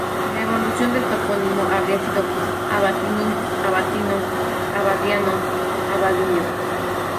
La evolución del topónimo habría sido "Abatianum"→"Abatiano"→"Abadiano"→"Abadiño".